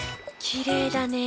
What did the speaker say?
きれいだね。